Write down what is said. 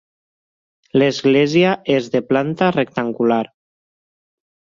L'església és de planta rectangular.